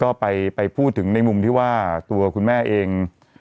ก็ไปพูดถึงในมุมที่ว่าตัวคุณแม่เอง